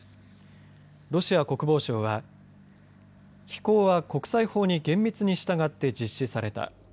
ロシア国防省は飛行は国際法に厳密に従って実施された。